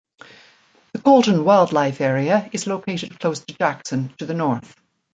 The Coalton Wildlife Area is located close to Jackson to the north.